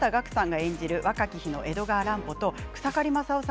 演じる若き日の江戸川乱歩と草刈正雄さん